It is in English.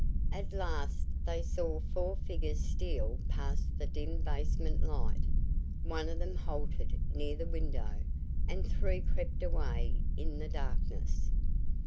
At last they saw four figures steal past the dim basement light. One of them halted near the window, and three crept away in the darkness.